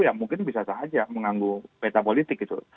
ya mungkin bisa saja mengganggu peta politik itu